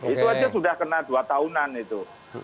itu aja sudah kena dua tahunan itu